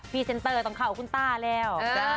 พีเซนเตอร์ต้องข่าวคุณตาแล้ว